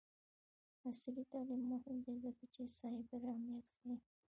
عصري تعلیم مهم دی ځکه چې سایبر امنیت ښيي.